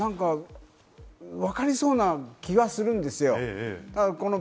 わかりそうな気はするんですよ。